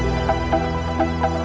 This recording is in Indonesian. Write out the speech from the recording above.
tapi itu kejadian baru